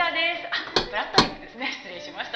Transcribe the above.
あっ、「ぷらっとりっぷ」ですね。失礼しました。